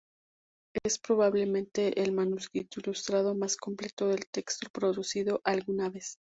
Es probablemente el manuscrito ilustrado más completo del texto producido alguna vez.